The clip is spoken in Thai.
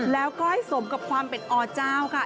แล้วก็ให้สมกับความเป็นอเจ้าค่ะ